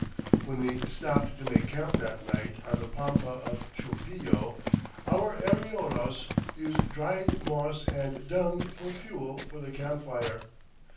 When we stopped to make camp that night on the Pampa of Chumpillo, our arrieros used dried moss and dung for fuel for the camp fire.